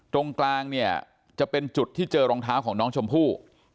ตรงกลางเนี่ยจะเป็นจุดที่เจอรองเท้าของน้องชมพู่